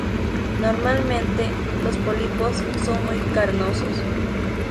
Normalmente, los pólipos son muy carnosos.